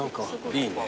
いいね。